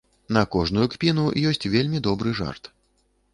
На кожную кпіну ёсць вельмі добры жарт.